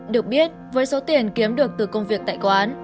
được biết với số tiền kiếm được từ công việc tại quán